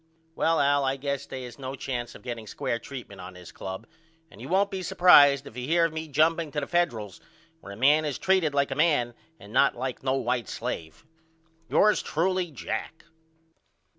Well Al I guess they is no chance of getting square treatment on this club and you won't be supprised if you hear of me jumping to the Federals where a man is treated like a man and not like no white slave. Yours truly, JACK.